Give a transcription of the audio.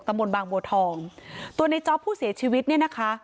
มนต์บางบัวทองตัวในจ๊อปผู้เสียชีวิตเนี่ยนะคะ